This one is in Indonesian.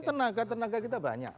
tenaga tenaga kita banyak